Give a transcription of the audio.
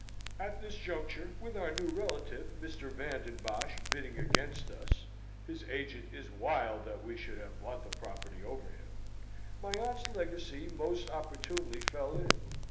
At this juncture, with our new relative, Mr. Van den Bosch, bidding against us (his agent is wild that we should have bought the property over him), my aunt's legacy most opportunely fell in.